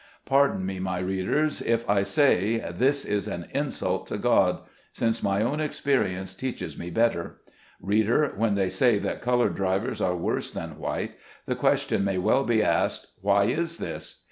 Pardon me, my readers, if I say this is an insult to God ; since my own experi ence teaches me better. Reader, when they say that colored drivers are worse than white, the ques tion may well be asked, Why is this